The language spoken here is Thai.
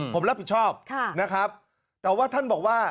ผมรับผิดชอบนะครับแต่ว่าท่านบอกว่า